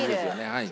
はい。